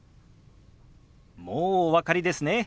もうお分かりですね。